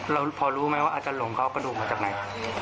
เราพอรู้ไหมว่าอาจารย์หลงเขาเอากระดูกมาจากไหน